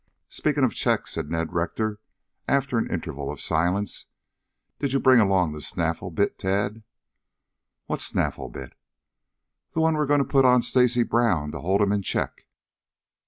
"Speaking of checks," said Ned Rector after an interval of silence, "did you bring along that snaffle bit, Tad?" "What snaffle bit?" "The one we were going to put on Stacy Brown to hold him in check?"